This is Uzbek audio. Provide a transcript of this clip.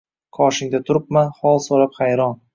Qoshingda turibman hol so‘rab, hayron